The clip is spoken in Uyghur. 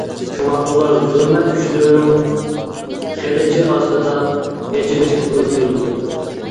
شۇڭا ئۇلار زۇلمەت كۈچلىرىنىڭ قىلىچى ئاستىدا ئېچىنىشلىق ئۆلتۈرۈلگەن.